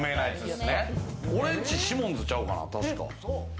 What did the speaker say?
俺んち、シモンズちゃうかな、確か。